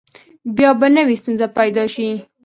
بیا به نوي ستونزې پیدا شي.